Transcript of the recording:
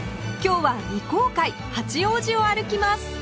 今日は未公開八王子を歩きます